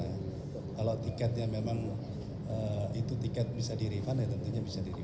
kalau tiketnya memang itu tiket bisa di refund ya tentunya bisa di real